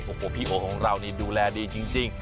โอ้โหพี่โอของเรานี่ดูแลดีจริง